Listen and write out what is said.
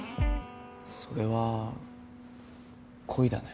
それは恋だね。